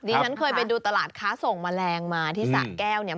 ฉันเคยไปดูตลาดค้าส่งแมลงมาที่สะแก้วเนี่ย